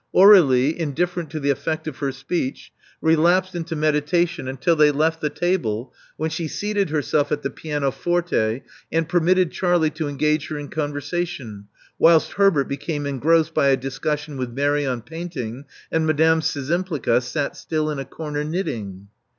Aur^lie, indifferent to the effect of her speech, relapsed into meditation until they left the table, when she seated herself at the pianoforte, and permitted Charlie to engage her in conversation, whilst Herbert became engrossed by a discussion with Mary on painting, and Madame Szczympliga sat still in a corner, knitting.